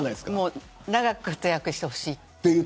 長く活躍してほしい。